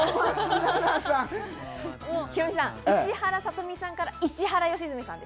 ヒロミさん、石原さとみさんから石原良純さん。